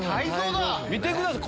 見てください！